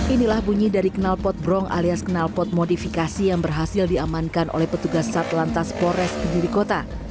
inilah bunyi dari kenalpot bronk alias kenalpot modifikasi yang berhasil diamankan oleh petugas sat lantas pores kediri kota